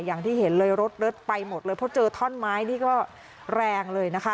อย่างที่เห็นเลยรถเลิศไปหมดเลยเพราะเจอท่อนไม้นี่ก็แรงเลยนะคะ